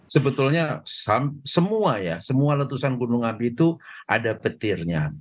sebetulnya semua ya semua letusan gunung api itu ada petirnya